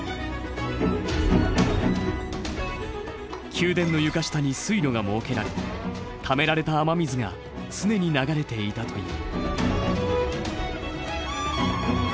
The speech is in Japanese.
宮殿の床下に水路が設けられためられた雨水が常に流れていたという。